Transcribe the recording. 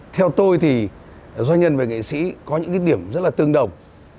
theo tôi thì doanh nhân và nghệ sĩ có những cái điểm rất là tương đồng